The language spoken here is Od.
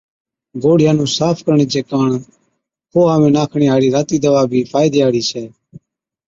گوڙهِِيان نُون صاف ڪرڻي چي ڪاڻ کُوها ۾ ناکڻي هاڙِي راتِي دَوا بِي فائدي هاڙِي ڇَي